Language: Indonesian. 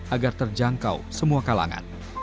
agar terjangkau semua kalangan